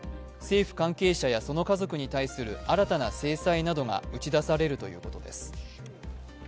政府関係者やその家族に対する新たな制裁などが打ち出されるということです。